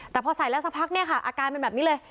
แต่พอใส่แล้วสักพักเนี่ยค่ะอาการเป็นแบบนี้เลย